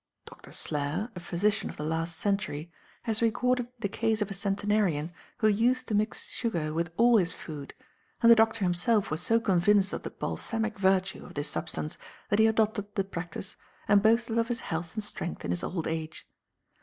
Dr. Slare, a physician of the last century, has recorded the case of a centenarian who used to mix sugar with all his food, and the doctor himself was so convinced of the "balsamic virtue" of this substance that he adopted the practice, and boasted of his health and strength in his old age.